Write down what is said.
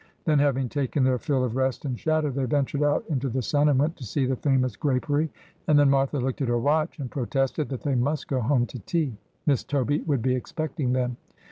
Then having taken their fill of rest and shadow, they ventured out into the sun, and went to see the famous grapery, and then Martha looked at her watch and protested that they must go home to tea. Miss Toby would be expecting them.